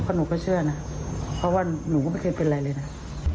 หนูก็เชื่อนะเพราะว่าหนูก็ไม่เคยเป็นอะไรเลยนะ